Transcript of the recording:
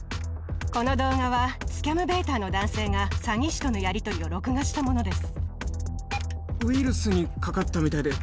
この動画はスキャムベイターの男性が詐欺師とのやりとりを録画したものです。